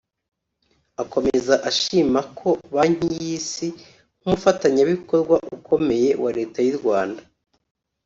Akomeza ashima ko Banki y’Isi nk’umufatanyabikorwa ukomeye wa Leta y’u Rwanda